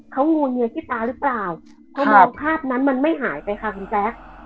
เขางวงเงียที่ตาหรือเปล่าเขามองภาพนั้นมันไม่หายไปค่ะคุณแจ๊ค